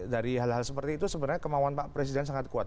dari hal hal seperti itu sebenarnya kemauan pak presiden sangat kuat